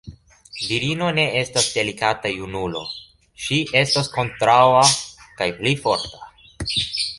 Virino ne estas delikata junulo, ŝi estas kontraŭa kaj pli forta.